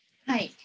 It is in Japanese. はい。